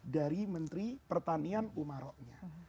dari menteri pertanian umaroknya